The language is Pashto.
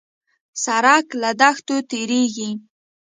سړک له دښتو تېرېږي.